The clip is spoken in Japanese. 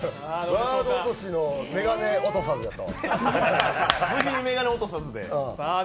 ワード落としの眼鏡落とさずと。